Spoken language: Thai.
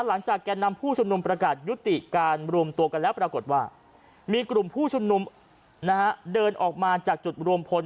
แก่นำผู้ชุมนุมประกาศยุติการรวมตัวกันแล้วปรากฏว่ามีกลุ่มผู้ชุมนุมเดินออกมาจากจุดรวมพล